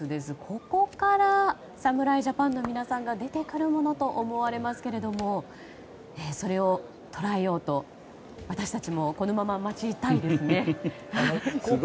ここから侍ジャパンの皆さんが出てくるものと思われますけどもそれを捉えようと、私たちもこのまま待ちたいですね。